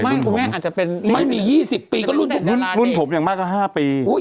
พวกแม่อาจจะเป็นไม่มียี่สิบปีก็รุ่นรุ่นผมอย่างมากกว่าห้าปีโอ้ย